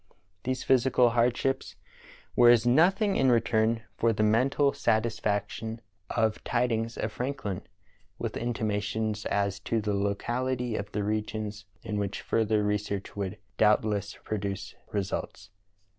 These physical hardships were as nothing in return for the mental satisfaction of tidings of Franklin, with intimations as to the locality of the regions in which further research would doubt less produce results.